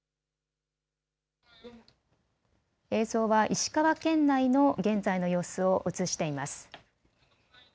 映像は石川県内の現在の様子を映しています。